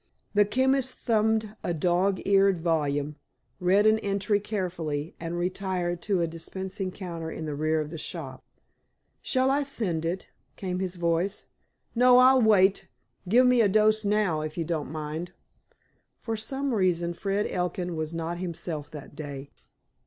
The chemist thumbed a dog eared volume, read an entry carefully, and retired to a dispensing counter in the rear of the shop. "Shall I send it?" came his voice. "No. I'll wait. Give me a dose now, if you don't mind." For some reason, Fred Elkin was not himself that day.